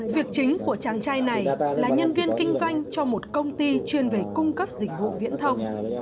việc chính của chàng trai này là nhân viên kinh doanh cho một công ty chuyên về cung cấp dịch vụ viễn thông